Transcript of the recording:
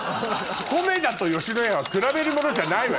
コメダと野家は比べるものじゃないわよ。